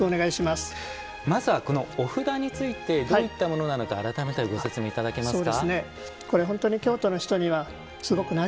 まずはこのお札についてどういったものなのか改めてご説明いただけますか。